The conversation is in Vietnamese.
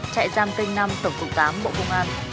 trại giam kênh năm tổng cục tám bộ công an